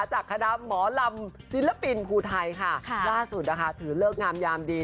จากคณะหมอลำศิลปินภูไทยค่ะล่าสุดนะคะถือเลิกงามยามดี